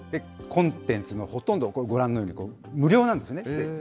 コンテンツのほとんどはご覧のように、無料なんですね。